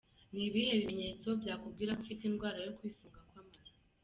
Ni ibihe bimenyetso byakubwira ko ufite indwara yo kwifunga kw’amara?.